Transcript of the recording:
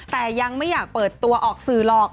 แต่ยังไม่อยากเปิดตัวออกสื่อหรอก